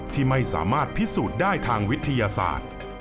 ที่ไม่สามารถพิสูจน์ได้ทางวิทยาศาสตร์